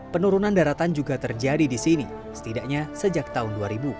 penurunan daratan juga terjadi di sini setidaknya sejak tahun dua ribu